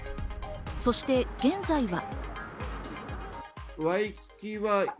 そして、現在は。